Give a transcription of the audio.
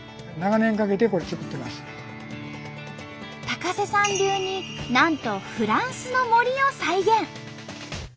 高瀬さん流になんとフランスの森を再現。